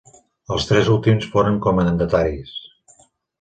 Els tres últims foren comendataris.